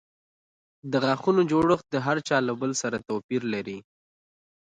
د غاښونو جوړښت د هر چا له بل سره توپیر لري.